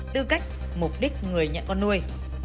tư cách mục đích người nhận con nuôi